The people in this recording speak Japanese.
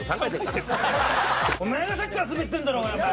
お前がさっきからスベってんだろうがよお前！